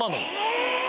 え！